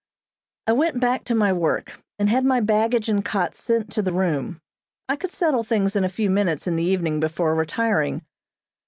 I went back to my work, and had my baggage and cot sent to the room. I could settle things in a few minutes in the evening before retiring.